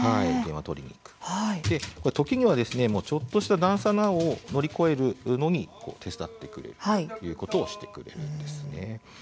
時には、ちょっとした段差を乗り越えるのに手伝ってくれるということをしてくれるんですね。